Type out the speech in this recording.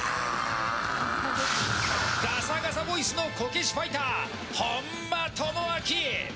ガサガサボイスのこけしファイター、本間朋晃。